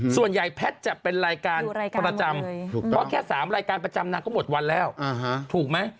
แพทย์จะเป็นรายการประจำเพราะแค่๓รายการประจำนางก็หมดวันแล้วถูกไหม